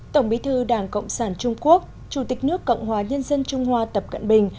tổng bí thư đảng cộng sản trung quốc chủ tịch nước cộng hòa nhân dân trung hoa tập cận bình